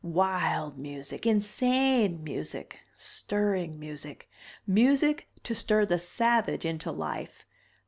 Wild music, insane music, stirring music. Music to stir the savage into life.